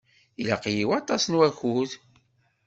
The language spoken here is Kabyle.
Ilaq-iyi waṭas n wakud.